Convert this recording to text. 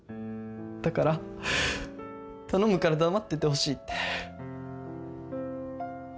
だから頼むから黙っててほしいって。